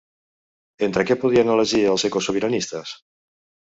Entre què podien elegir els ecosobiranistes?